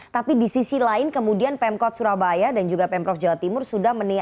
tapi di sisi lain kemudian pemkot surabaya dan juga pemprov jawa timur sudah menilai